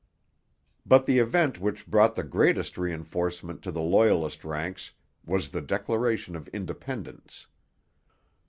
But the event which brought the greatest reinforcement to the Loyalist ranks was the Declaration of Independence.